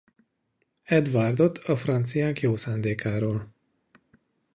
Edwardot a franciák jó szándékáról.